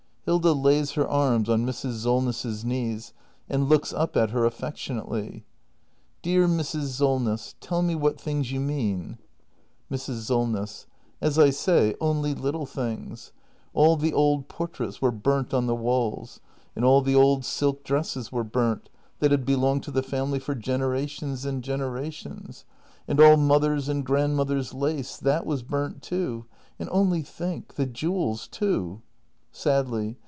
Hilda. [Lays her arms on Mrs. Solness's knees, and looks up at her affectionately.] Dear Mrs. Solness — tell me what things you mean! Mrs. Solness. As I say, only little things. All the old portraits were burnt on the walls. And all the old silk dresses were burnt, that had belonged to the family for generations and generations. And all mother's and grandmother's lace — that was burnt, too. And only think — the jewels, too! [Sadly.